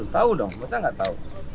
tahu dong masa nggak tahu